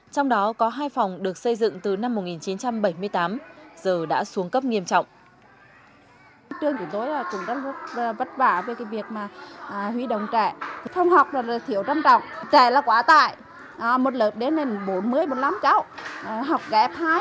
trong đó có hai phòng được xây dựng từ năm một nghìn chín trăm bảy mươi tám giờ đã xuống cấp nghiêm trọng